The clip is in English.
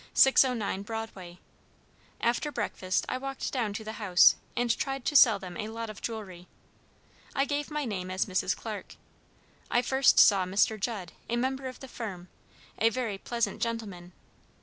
609 Broadway. After breakfast I walked down to the house, and tried to sell them a lot of jewelry. I gave my name as Mrs. Clarke. I first saw Mr. Judd, a member of the firm, a very pleasant gentleman.